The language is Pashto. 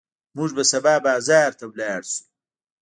موږ به سبا بازار ته لاړ شو.